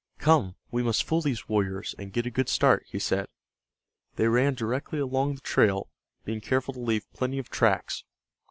"Come, we must fool those warriors, and get a good start," he said. They ran directly along the trail, being careful to leave plenty of tracks.